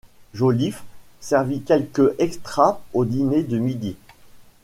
Joliffe servit quelques « extra » au dîner de midi.